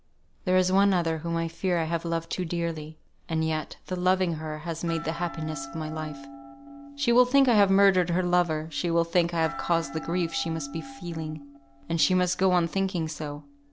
There is one other whom I fear I have loved too dearly; and yet, the loving her has made the happiness of my life. She will think I have murdered her lover; she will think I have caused the grief she must be feeling. And she must go on thinking so.